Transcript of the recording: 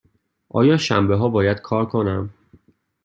آیا شنبه ها باید کار کنم؟